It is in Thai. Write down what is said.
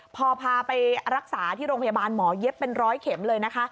พอพาไปรักษาที่โรงพยาบาลหมอเย็บเป็นร้อยเข็มเลยนะคะ